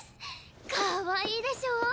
かわいいでしょ？